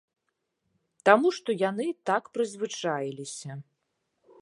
Таму што яны так прызвычаіліся.